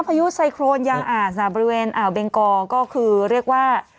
พายุไซโครนยางอาจค่ะบริเวณอ่าวเบงกอก็คือเรียกว่า